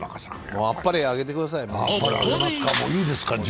もうあっぱれあげてください。